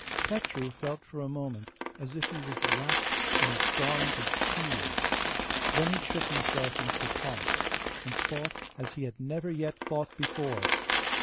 Petru felt for a moment as if he was wrapped in a garment of fear; then he shook himself and took heart, and fought as he had never yet fought before.